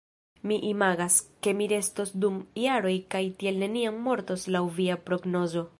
Mi imagas, ke mi restos dum jaroj kaj tiel neniam mortos laŭ via prognozo.